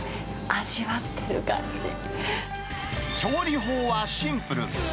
調理法はシンプル。